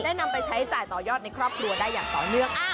นำไปใช้จ่ายต่อยอดในครอบครัวได้อย่างต่อเนื่อง